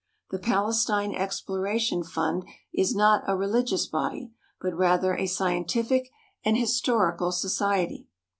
The Palestine Exploration Fund is not a religious body, but rather a scientific and historical society.